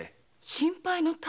「心配の種」？